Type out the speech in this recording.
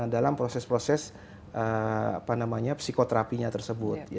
dalam proses proses apa namanya psikoterapinya tersebut